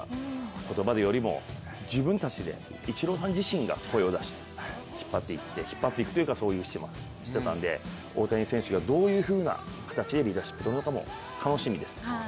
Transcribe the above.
言葉でよりも、自分たちでイチローさん自身が声を出して引っ張っていくというか、そういうふうにしていたんで大谷選手がどういうふうな形でリーダーシップをとるのかも楽しみです。